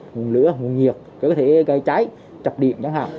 nguồn lửa nguồn nhiệt có thể gây cháy chập điện chẳng hạn